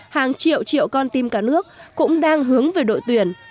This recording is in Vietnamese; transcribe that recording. hàng triệu triệu con tim cả nước cũng đang hướng về đội tuyển